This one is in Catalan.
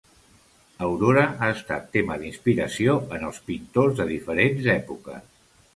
Aurora ha estat tema d'inspiració en els pintors de diferents èpoques.